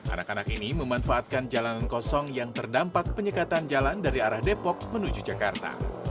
anak anak ini memanfaatkan jalanan kosong yang terdampak penyekatan jalan dari arah depok menuju jakarta